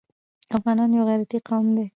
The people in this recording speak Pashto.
افغانان يو غيرتي قوم دی.